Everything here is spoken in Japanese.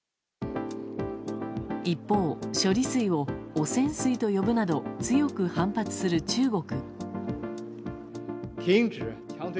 一方、処理水を汚染水と呼ぶなど強く反発する中国。